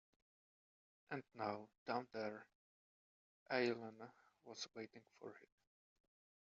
And now, down there, Eileen was waiting for him.